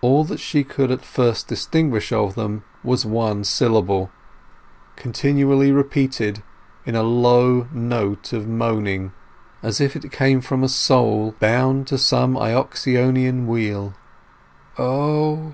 All that she could at first distinguish of them was one syllable, continually repeated in a low note of moaning, as if it came from a soul bound to some Ixionian wheel— "O—O—O!"